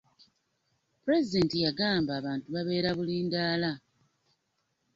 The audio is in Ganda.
pulezidenti yagamba abantu babeera bulindaala.